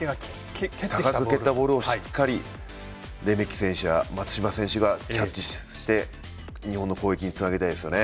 高く受けたボールをしっかりレメキ選手や松島選手がキャッチして日本の攻撃につなげたいですよね。